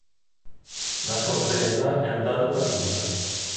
La sorpresa è andata perduta.